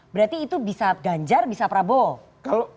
berarti itu bisa ganjar bisa prabowo